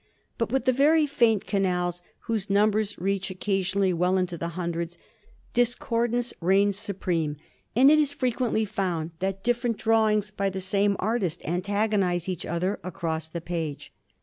But with the very faint canals whose numbers reach occa sionally well into the hundreds, discordance reigns su preme, and it is frequently found that different drawings by the same artist antagonize each other across the page.